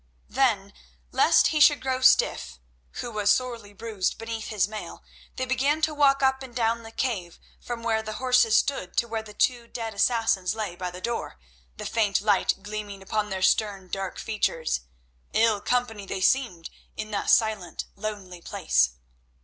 Then, lest he should grow stiff, who was sorely bruised beneath his mail, they began to walk up and down the cave from where the horses stood to where the two dead Assassins lay by the door, the faint light gleaming upon their stern, dark features. Ill company they seemed in that silent, lonely place.